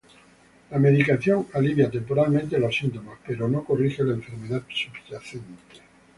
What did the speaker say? La medicación alivia temporalmente los síntomas, pero no corrige la enfermedad subyacente.